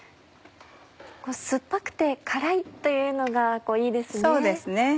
酸っぱくて辛いというのがいいですね。